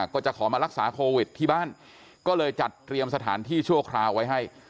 ก็จะขอมารักษาโควิดที่บ้านก็เลยจัดเตรียมสถานที่ชั่วคราวไว้ให้